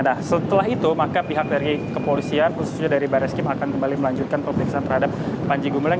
nah setelah itu maka pihak dari kepolisian khususnya dari baris krim akan kembali melanjutkan pemeriksaan terhadap panji gumilang